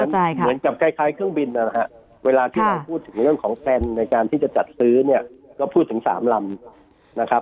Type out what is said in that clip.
เหมือนกับคล้ายเครื่องบินนะฮะเวลาที่เราพูดถึงเรื่องของแพลนในการที่จะจัดซื้อเนี่ยก็พูดถึงสามลำนะครับ